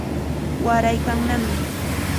Waraykannami.